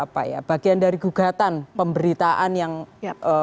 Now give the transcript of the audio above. apa ya bagian dari gugatan pemberitaan yang ee